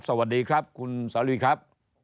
สวัสดีครับคุณสาลีครับ